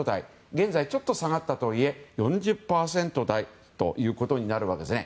現在はちょっと下がったとはいえ４０％台ということになるわけです。